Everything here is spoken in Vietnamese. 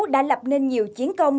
đã lập nên nhiều chiến công